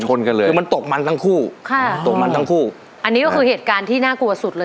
ชนกันเลยคือมันตกมันทั้งคู่ค่ะตกมันทั้งคู่อันนี้ก็คือเหตุการณ์ที่น่ากลัวสุดเลย